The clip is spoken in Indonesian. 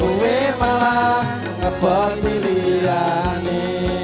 kowe malah ngepot di liani